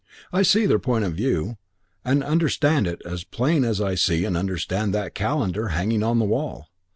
I see their point of view and understand it as plain as I see and understand that calendar hanging on the wall.